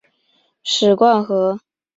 史灌河